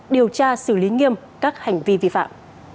điều tra xử lý nghiêm các hành vi vi phạm